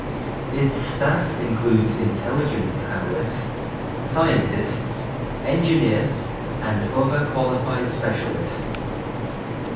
Its staff includes intelligence analysts, scientists, engineers, and other qualified specialists.